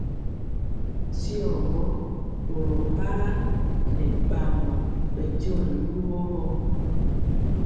Tyigɔ boro para nɛ bagɔ bɛ diɔ ri lugɔ gɔ.